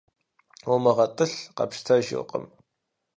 УмыгъэтӀылъ къэпщтэжыркъым.